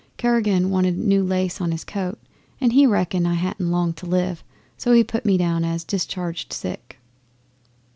Karaguen wanted a new lace to his coat, and he reckoned I hadn't long to live; so he put me down as "discharged sick."